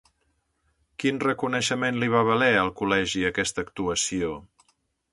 Quin reconeixement li va valer al Col·legi aquesta actuació?